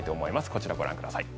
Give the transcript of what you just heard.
こちら、ご覧ください。